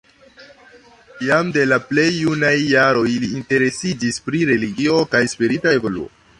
Jam de la plej junaj jaroj li interesiĝis pri religio kaj spirita evoluo.